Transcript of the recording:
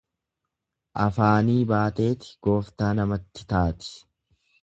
Afaanii baateeti gooftaa namatti taati.